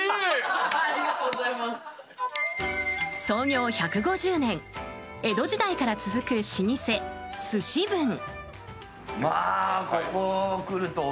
創業１５０年江戸時代から続く老舗、鮨文。